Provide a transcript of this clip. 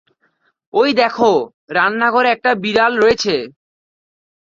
ওই দেখো! রান্নাঘরে একটা বিড়াল রয়েছে!